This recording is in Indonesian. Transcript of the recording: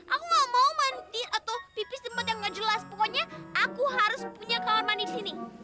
aku gak mau mandi atau pipis tempat yang gak jelas pokoknya aku harus punya kamar mandi disini